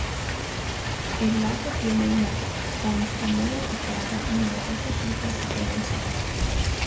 El lago tiene una costa muy agitada y numerosas islas y penínsulas.